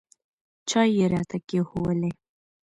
چای یې راته کښېښوولې.